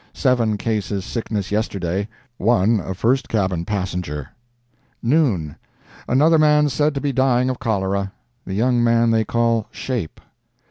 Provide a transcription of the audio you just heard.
Seven cases sickness yesterday—one a first cabin passenger." "NOON.—Another man said to be dying of cholera—the young man they call 'Shape."'